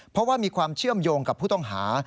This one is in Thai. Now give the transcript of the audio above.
เพราะว่ามีความเชื่อมโยงกับผู้ต้องหา